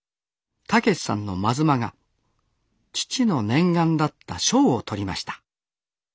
健志さんの真妻が父の念願だった賞を取りました